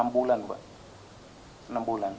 enam bulan pak